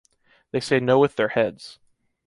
They say no with their heads.